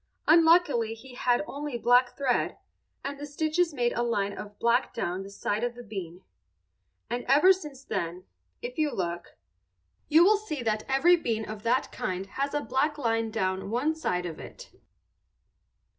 Unluckily he had only black thread, and the stitches made a line of black down the side of the bean. And ever since then, if you look, you will see that every bean of that kind has a black line down one side of it.